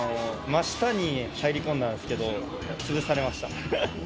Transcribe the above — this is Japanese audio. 真下に入り込んだんですけど、潰されました。